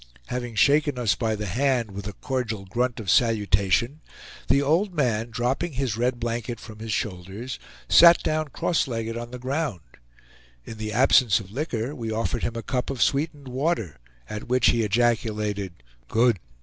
Having shaken us by the hand with a cordial grunt of salutation, the old man, dropping his red blanket from his shoulders, sat down cross legged on the ground. In the absence of liquor we offered him a cup of sweetened water, at which he ejaculated "Good!"